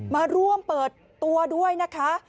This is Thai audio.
มาร่วมเปิดตัวด้วยนะคะ